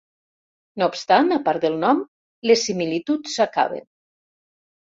No obstant, a part del nom, les similituds s'acaben.